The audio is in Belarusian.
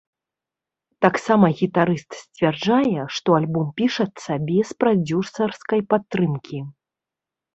Таксама гітарыст сцвярджае, што альбом пішацца без прадзюсарскай падтрымкі.